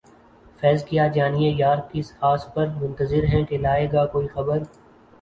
فیضؔ کیا جانیے یار کس آس پر منتظر ہیں کہ لائے گا کوئی خبر